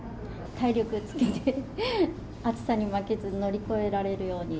体力つけて暑さに負けず乗り越えられるように。